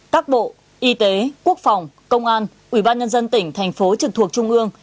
các bộ y tế quốc phòng công an ủy ban nhân dân tỉnh thành phố trực thuộc trung ương